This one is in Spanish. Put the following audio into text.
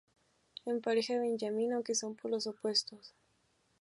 Es pareja de Benjamín, aunque son polos opuestos.